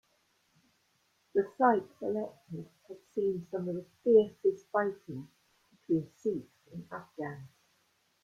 The site selected had seen some of the fiercest fighting between Sikhs and Afghans.